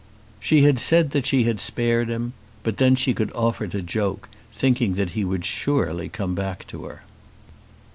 She had said that she had spared him; but then she could afford to joke, thinking that he would surely come back to her.